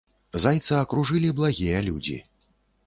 Зайца акружылі благія людзі.